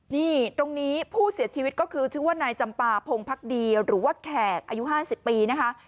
นี่ตรงนี้ผู้เสียชีวิตก็คือชื่อว่านายจำปาพงภักดีหรือว่าแขกอายุ๕๐ปีนะคะ